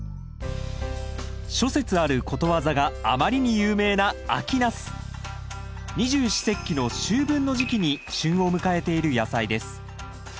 諸説あることわざがあまりに有名な二十四節気の秋分の時期に旬を迎えている野菜です。